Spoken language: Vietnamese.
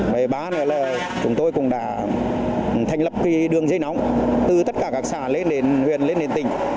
bảy ba là chúng tôi cũng đã thành lập đường dây nóng từ tất cả các xã lên huyện lên tỉnh